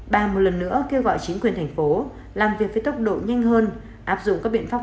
bà một lần nữa kêu gọi chính quyền thành phố làm việc với tốc độ nhanh hơn áp dụng các biện pháp